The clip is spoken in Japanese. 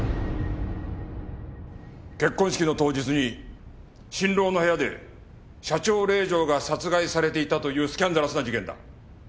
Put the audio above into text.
結婚式の当日に新郎の部屋で社長令嬢が殺害されていたというスキャンダラスな事件だ。